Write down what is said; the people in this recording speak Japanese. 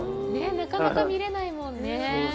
なかなか見れないもんね。